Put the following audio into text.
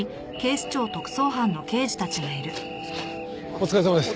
お疲れさまです。